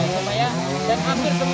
supaya dan hampir semua